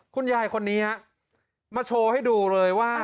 คุณยายคนนี้มาโชว์ให้ดูเลยว่า